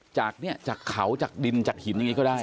จากเนี่ยจากเขาจากดินจากหินยังไงก็ได้